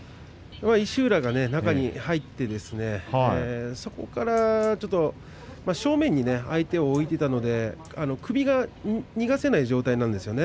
石浦が中に入ってそこからちょっと正面に相手を置いていたので首が逃がせない状態なんですよね。